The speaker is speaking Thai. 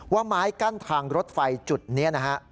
ไม้กั้นทางรถไฟจุดนี้นะฮะ